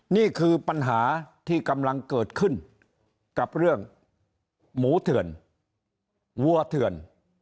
นี่คือปัญหาที่กำลังเกิดขึ้นกับเรื่องหมูเถื่อนวัวเถื่อน